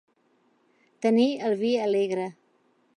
Tenir el vi alegre.